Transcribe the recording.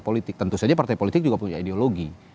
politik tentu saja partai politik juga punya ideologi